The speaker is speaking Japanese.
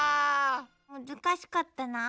むずかしかったなぁ。